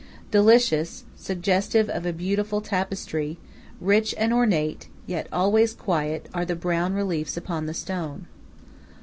Delicious, suggestive of a beautiful tapestry, rich and ornate, yet always quiet, are the brown reliefs upon the stone.